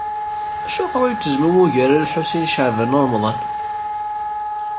Acuɣer ur la yettezmumug ara Lḥusin n Caɛban u Ṛemḍan?